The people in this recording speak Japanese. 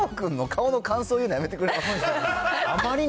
本番中に長尾君の顔の感想言うのやめてくれません？